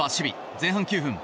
前半９分。